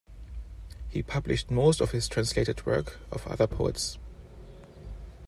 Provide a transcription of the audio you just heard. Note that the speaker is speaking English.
He published most of his translated work of other poets.